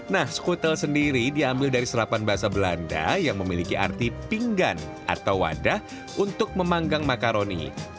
nah skutel sendiri diambil dari serapan bahasa belanda yang memiliki arti pinggan atau wadah untuk memanggang makaroni